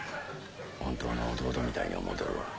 本当の弟みたいに思うてるわ。